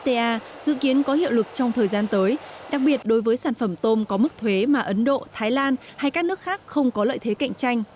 ta dự kiến có hiệu lực trong thời gian tới đặc biệt đối với sản phẩm tôm có mức thuế mà ấn độ thái lan hay các nước khác không có lợi thế cạnh tranh